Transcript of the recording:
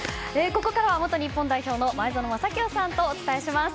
ここからは元日本代表の前園真聖さんとお伝えします。